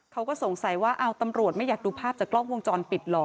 เขาก็สงสัยว่าตำรวจไม่อยากดูภาพจากกล้องวงจรปิดเหรอ